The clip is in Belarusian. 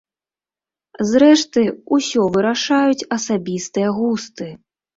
Зрэшты, усё вырашаюць асабістыя густы.